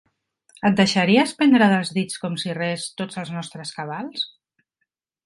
Et deixaries prendre dels dits com si res tots els nostres cabals.